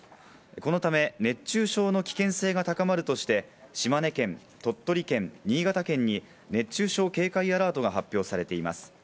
このため、熱中症の危険性が高まるとして、島根県、鳥取県、新潟県に熱中症警戒アラートが発表されています。